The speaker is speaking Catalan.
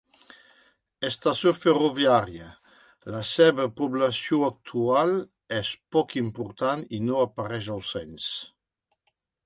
Estació ferroviària, la seva població actual és poc important i no apareix al cens.